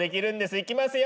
いきますよ！